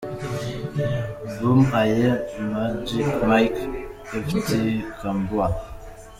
Boom Aye – Majic Mike ft Kambua.